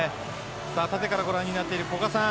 縦からご覧になっている古賀さん